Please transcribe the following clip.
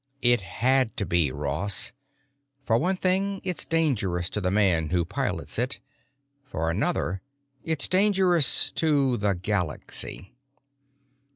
It had to be, Ross. For one thing, it's dangerous to the man who pilots it. For another, it's dangerous to—the Galaxy."